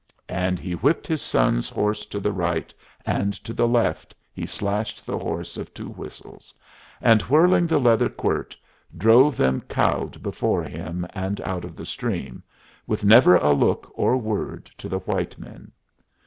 And he whipped his son's horse to the right, and to the left he slashed the horse of Two Whistles, and, whirling the leather quirt, drove them cowed before him and out of the stream, with never a look or word to the white men.